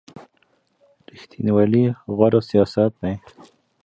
ریښتینولي غوره سیاست دی.